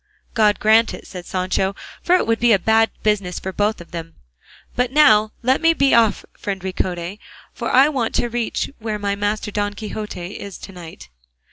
"God grant it," said Sancho, "for it would be a bad business for both of them; but now let me be off, friend Ricote, for I want to reach where my master Don Quixote is to night."